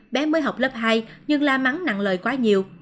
bé mới học lớp hai nhưng la mắng nặng lời quá nhiều